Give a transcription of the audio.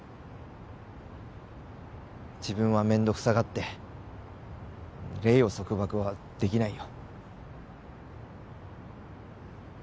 自分は面倒くさがって黎を束縛はできないよ